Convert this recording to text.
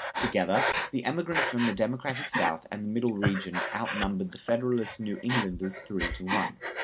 Together, the emigrants from the Democratic South and Middle Region outnumbered the Federalist New Englanders three to one.